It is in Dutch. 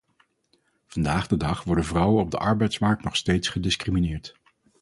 Vandaag de dag worden vrouwen op de arbeidsmarkt nog steeds gediscrimineerd.